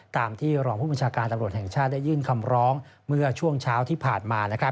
ตามที่รองผู้บัญชาการตำรวจแห่งชาติได้ยื่นคำร้องเมื่อช่วงเช้าที่ผ่านมา